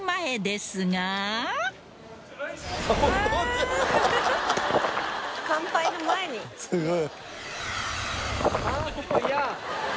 すごい。